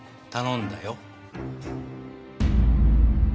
頼んだよ。